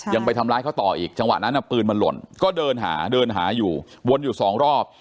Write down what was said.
ยังไปทำร้ายเขาต่ออีกจังหวะนั้นปืนมันหล่นก็เดินหาเดินหาอยู่วนอยู่สองรอบ